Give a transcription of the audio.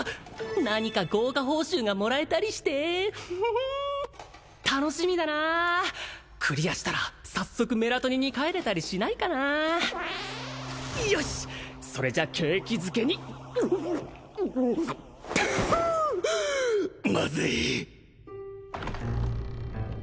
何か豪華報酬がもらえたりしてフフフ楽しみだなクリアしたら早速メラトニに帰れたりしないかなよしそれじゃ景気づけにプハマズい！